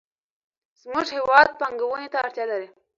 زموږ هېواد پانګونې ته اړتیا لري.